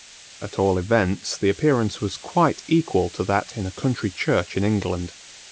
At all events the appearance was quite equal to that in a country church in England.